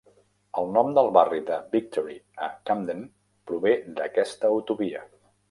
El nom del barri de Victory a Camden prové d'aquesta autovia.